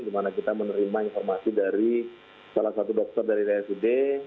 di mana kita menerima informasi dari salah satu dokter dari rsud